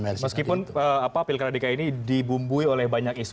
meskipun pilkada dki ini dibumbui oleh banyak isu